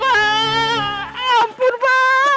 lepas ampun bang